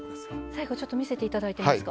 最後ちょっと見せて頂いていいですか？